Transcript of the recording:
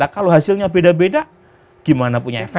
kalau hasilnya beda beda gimana punya efek